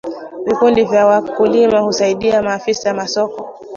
Vikundi vya wakulima huasaidia maafisa masoko